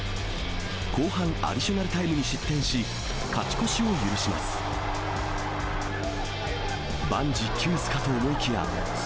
後半アディショナルタイムに失点し、勝ち越しを許します。